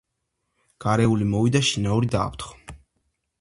გარეული მოვიდა, შინაური დააფრთხო.